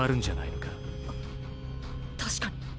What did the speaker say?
確かに！